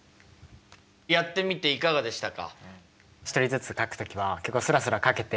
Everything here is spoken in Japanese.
やってみていかがでしたか？